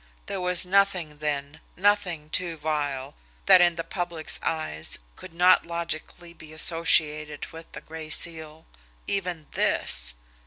There was nothing then, nothing too vile that, in the public's eyes, could not logically be associated with the Gray Seal even this!